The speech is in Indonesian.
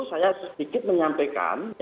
saya sedikit menyampaikan